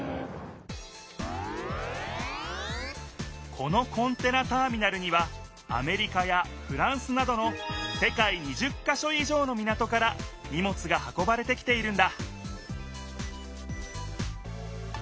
このコンテナターミナルにはアメリカやフランスなどの世界２０か所以上の港からにもつが運ばれてきているんだ